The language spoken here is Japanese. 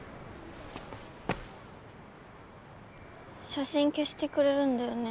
写真消してくれるんだよね？